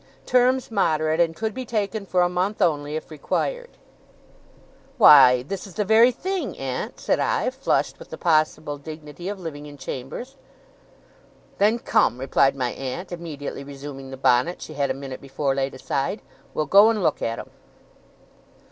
Terms moderate, and could be taken for a month only, if required. 'Why, this is the very thing, aunt!' said I, flushed with the possible dignity of living in chambers. 'Then come,' replied my aunt, immediately resuming the bonnet she had a minute before laid aside. 'We'll go and look at 'em.